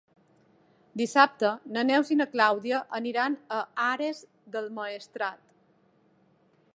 Dissabte na Neus i na Clàudia aniran a Ares del Maestrat.